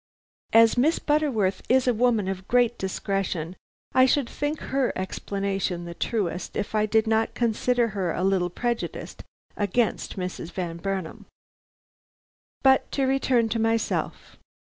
As Miss Butterworth is a woman of great discretion I should think her explanation the truest, if I did not consider her a little prejudiced against Mrs. Van Burnam. "But to return to myself.